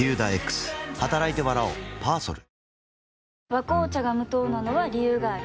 「和紅茶」が無糖なのは、理由があるんよ。